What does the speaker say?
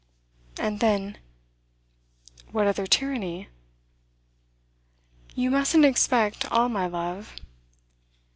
And then ' 'What other tyranny?' 'You mustn't expect all my love.